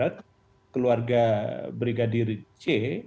saya ingin mengingatkan kepada keluarga brigadir c